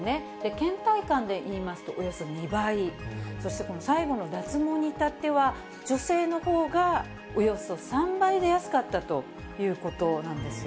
けん怠感でいいますとおよそ２倍、そしてこの最後の脱毛に至っては、女性のほうがおよそ３倍出やすかったということなんですよ。